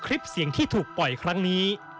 คลิปเสียงที่ถูกปล่อยครั้งนี้